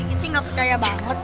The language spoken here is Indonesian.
kita gak percaya banget